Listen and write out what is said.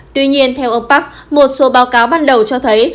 tuy nhiên theo ông park một số báo cáo ban đầu cho thấy